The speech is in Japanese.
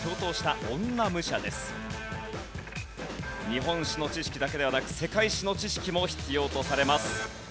日本史の知識だけではなく世界史の知識も必要とされます。